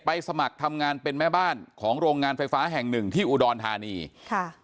สมัครทำงานเป็นแม่บ้านของโรงงานไฟฟ้าแห่งหนึ่งที่อุดรธานีค่ะ